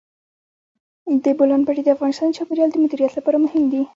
د بولان پټي د افغانستان د چاپیریال د مدیریت لپاره مهم دي.